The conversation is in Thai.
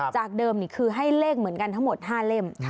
จากเดิมนี่คือให้เลขเหมือนกันทั้งหมด๕เล่ม